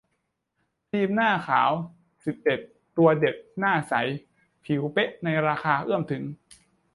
ครีมหน้าขาว สิบเอ็ด ตัวเด็ด หน้าใสผิวเป๊ะในราคาเอื้อมถึง